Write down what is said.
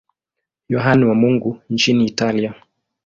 Yohane wa Mungu nchini Italia.